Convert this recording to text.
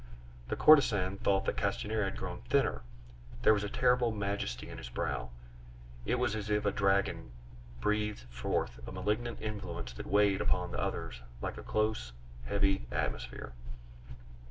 The courtesan thought that Castanier had grown thinner; there was a terrible majesty in his brow; it was as if a dragon breathed forth a malignant influence that weighed upon the others like a close, heavy atmosphere.